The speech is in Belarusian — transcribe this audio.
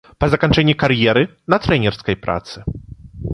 Па заканчэнні кар'еры на трэнерскай працы.